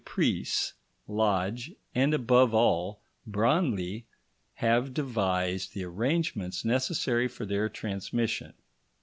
Preece, Lodge, and, above all, Branly, have devised the arrangements necessary for their transmission.